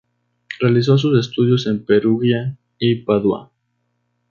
Realizó sus estudios en Perugia y Padua.